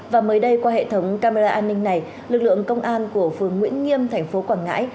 và mới đây qua hệ thống camera an ninh này lực lượng công an của phường nguyễn nghiêm thành phố quảng ngãi